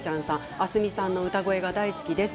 明日海さんの歌声が大好きです。